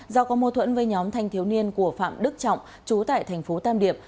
do có mô thuẫn với nhóm thanh thiếu niên của phạm đức trọng chú tại thành phố tam điệp